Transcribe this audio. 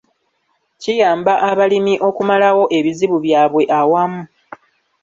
Kiyamba abalimi okumalawo ebizibu byabwe awamu.